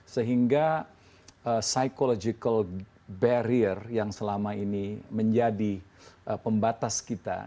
sehingga psychological barrier yang selama ini menjadi pembatas kita